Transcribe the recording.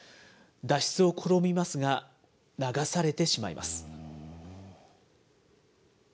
脱出を試みますが流されてしまいます。